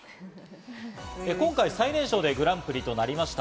今回、最年少でグランプリとなりました。